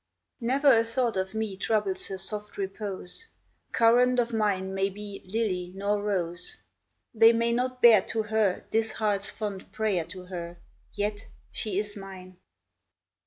Never a thought of me Troubles her soft repose ; Courant of mine may be Lilv nor rose. 424 FORESHADOWINGS They may not bear to her This heart's fond prayer to her, Yet — she is mine.